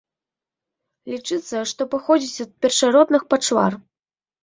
Лічыцца, што паходзіць ад першародных пачвар.